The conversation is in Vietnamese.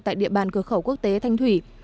tại địa bàn cửa khẩu quốc tế thanh thủy